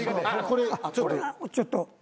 これがちょっと。